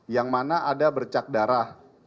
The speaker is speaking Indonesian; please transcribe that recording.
yang mana ada bercak darah